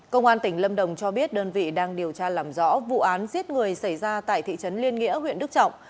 công an tỉnh lâm đồng cho biết đơn vị đang điều tra làm rõ vụ án giết người xảy ra tại thị trấn liên nghĩa huyện đức trọng